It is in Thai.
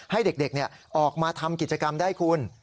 ให้เด็กออกมาทำกิจกรรมได้คุณ